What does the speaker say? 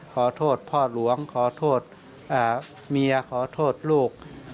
ขอโทษพ่อหลวงขอโทษเมียขอโทษลูก